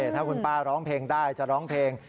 ถ้าคุณป้าร้องเพลงได้จะร้องเพลง